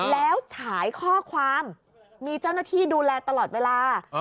แล้วฉายข้อความมีเจ้าหน้าที่ดูแลตลอดเวลา